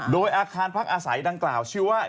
โดยอาคารพักอาศัยดังกล่าวชื่อว่า